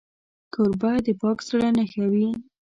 کوربه د پاک زړه نښه وي.